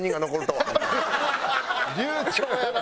流暢やな！